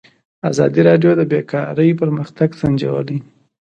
ازادي راډیو د بیکاري پرمختګ سنجولی.